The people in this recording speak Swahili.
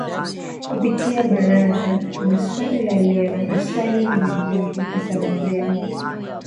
Kupitia ‘Barazani’ na ‘Swali la Leo’, 'Maswali na Majibu', na 'Salamu Zenu'